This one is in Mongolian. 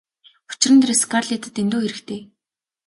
Учир нь тэр Скарлеттад дэндүү хэрэгтэй.